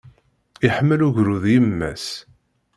Iḥemmel ugrud yemma-s.